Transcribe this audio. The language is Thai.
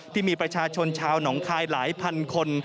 ที่มีประชาชนชาวหนองคายหลายพันคน